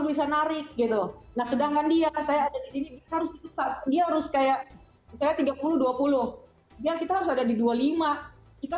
bisa narik gitu nah sedangkan dia saya ada di sini dia harus dia harus kayak tiga puluh dua puluh dia kita harus ada di dua puluh lima kita